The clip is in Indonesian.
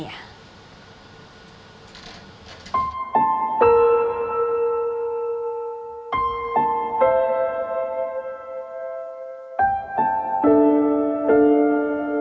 kisah kakek miswan